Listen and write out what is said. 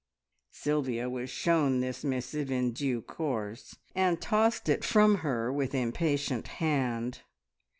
Sylvia was shown this missive in due course, and tossed it from her with impatient hand.